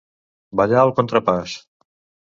Ballar el contrapàs.